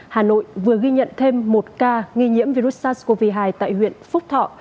hà nội vừa ghi nhận thêm một ca nghi nhiễm virus sars cov hai tại huyện phúc thọ